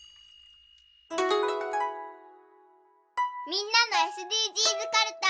みんなのＳＤＧｓかるた。